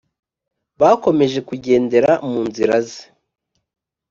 Bakomeje kugendera mu nzira ze